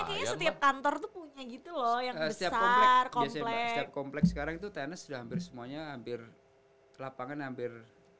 tapi kayaknya setiap kantor tuh punya gitu loh yang besar komplek biasanya setiap komplek sekarang itu tenis sudah hampir semuanya hampir